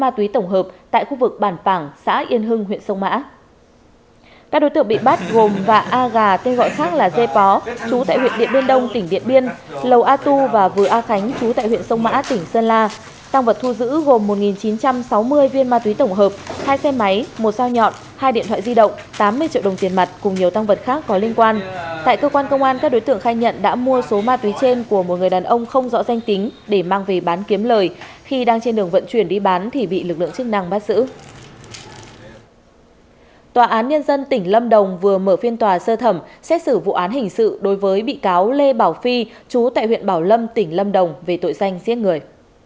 tòa án nhân dân tỉnh lâm đồng vừa mở phiên tòa sơ thẩm xét xử vụ án hình sự đối với bị cáo lê bảo phi chú tại huyện bảo lâm tỉnh lâm đồng về tội danh giết người